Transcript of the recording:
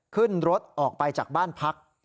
ขึ้นรถออกไปจากบ้านพัก